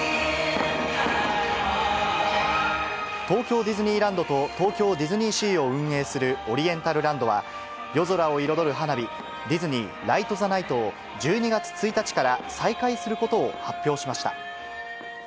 東京ディズニーランドと、東京ディズニーシーを運営するオリエンタルランドは、夜空を彩る花火、ディズニー・ライト・ザ・ナイトを１２月１日から再開することを発表しました。